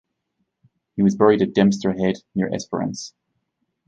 He was buried at Dempster Head near Esperance.